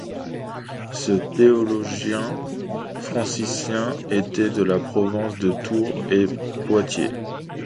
Ce théologien franciscain était de la province de Tours et Poitiers.